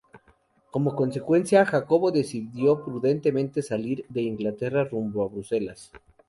Como consecuencia, Jacobo decidió prudentemente salir de Inglaterra rumbo a Bruselas.